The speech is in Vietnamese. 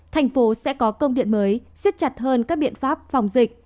thành phố sẽ có công điện mới xiết chặt hơn các biện pháp phòng dịch